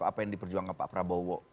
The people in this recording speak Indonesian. apa yang diperjuangkan pak prabowo